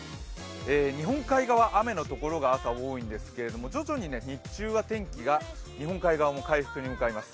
日本海側、雨のところが朝、多いんですけれども徐々に日中は天気が日本海側も回復に向かいます。